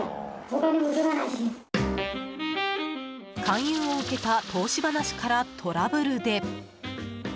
勧誘を受けた投資話からトラブルで。